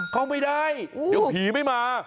เข้าไม่ได้เดี๋ยวผีไม่มา